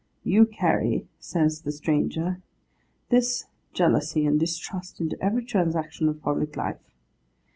'You carry,' says the stranger, 'this jealousy and distrust into every transaction of public life.